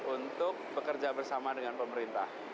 untuk bekerja bersama dengan pemerintah